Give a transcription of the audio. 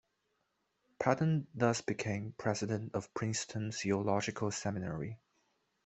Patton thus became president of Princeton Theological Seminary.